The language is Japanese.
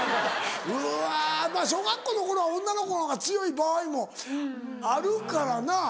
うわまぁ小学校の頃は女の子のほうが強い場合もあるからな。